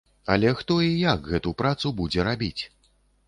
Але хто і як гэту працу будзе рабіць?